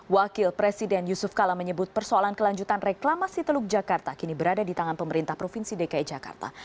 wakil presiden yusuf kala menyebut persoalan kelanjutan reklamasi teluk jakarta kini berada di tangan pemerintah provinsi dki jakarta